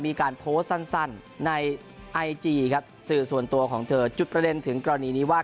มีการโพสต์สั้นในไอจีครับสื่อส่วนตัวของเธอจุดประเด็นถึงกรณีนี้ว่า